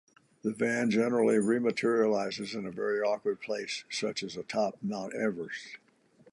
The van generally rematerialises in a very awkward place, such as atop Mount Everest.